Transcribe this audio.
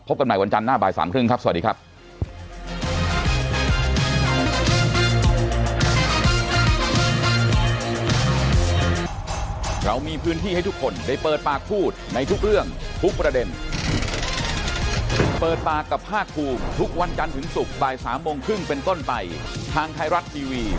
กันใหม่วันจันทร์หน้าบ่ายสามครึ่งครับสวัสดีครับ